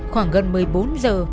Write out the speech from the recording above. khoảng gần một mươi bốn giờ